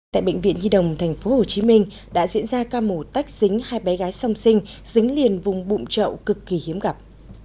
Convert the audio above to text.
tại bệnh viện nhi đồng tp hcm đã diễn ra ca mổ tách dính hai bé gái song sinh dính liền vùng bụng chậu cực kỳ hiếm gặp